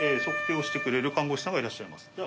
測定をしてくれる看護師さんがいらっしゃいます。